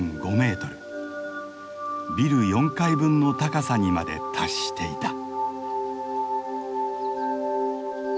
ビル４階分の高さにまで達していた。